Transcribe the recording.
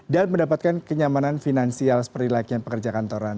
dan mendapatkan kenyamanan finansial seperti layaknya pekerja kantoran